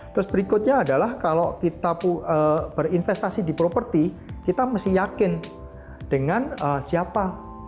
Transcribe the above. terus berikutnya adalah kalau kita berinvestasi di properti kita mesti yakin dengan siapa